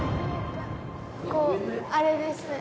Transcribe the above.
ここあれですね。